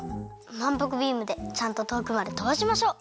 まんぷくビームでちゃんととおくまでとばしましょう。